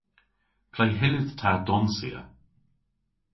Ple hyllydh ta donsya?